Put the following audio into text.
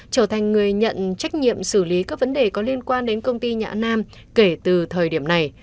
trở thành người nhận trách nhiệm xử lý các vấn đề có liên quan đến công ty nhã nam kể từ thời điểm này